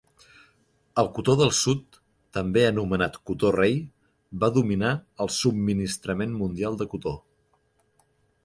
El cotó del sud, també anomenat cotó rei, va dominar el subministrament mundial de cotó.